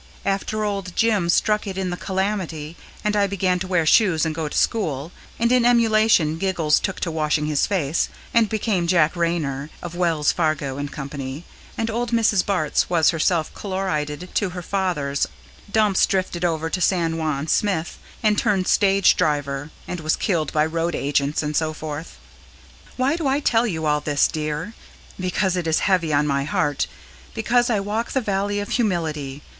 After old Jim struck it in the Calamity, and I began to wear shoes and go to school, and in emulation Giggles took to washing his face, and became Jack Raynor, of Wells, Fargo & Co., and old Mrs. Barts was herself chlorided to her fathers, Dumps drifted over to San Juan Smith and turned stage driver, and was killed by road agents, and so forth. Why do I tell you all this, dear? Because it is heavy on my heart. Because I walk the Valley of Humility.